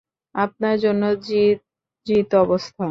আপনার জন্য জিত-জিত অবস্থা।